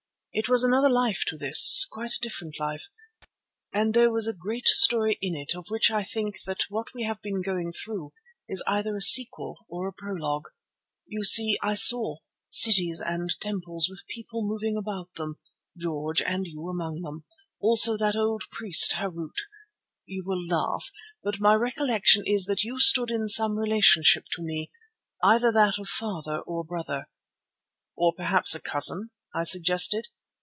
It was another life to this, quite a different life; and there was a great story in it of which I think what we have been going through is either a sequel or a prologue. I see, or saw, cities and temples with people moving about them, George and you among them, also that old priest, Harût. You will laugh, but my recollection is that you stood in some relationship to me, either that of father or brother." "Or perhaps a cousin," I suggested.